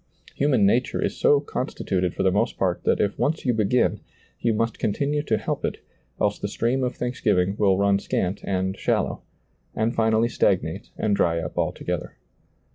Human nature is so con stituted for the most part that if once you begin, you must continue to help it, else the stream of thanksgiving will run scant and shallow,' and finally stagnate and dry up altogether.